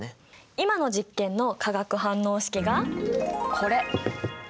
今の実験の化学反応式がこれ！